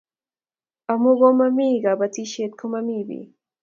Amu komamie kabatishet komamie biik